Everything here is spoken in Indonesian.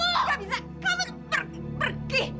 gak bisa kamu pergi